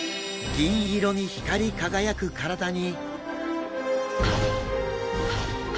銀色に光り輝く体に。